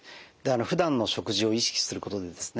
ふだんの食事を意識することでですね